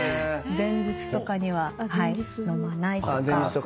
前日とかには飲まない。